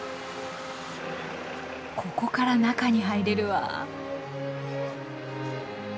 ここから中に入れるわ。